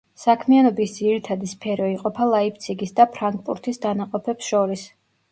საქმიანობის ძირითადი სფერო იყოფა ლაიფციგის და ფრანკფურტის დანაყოფებს შორის.